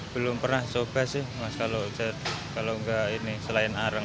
belum pernah coba sih mas kalau enggak ini selain arang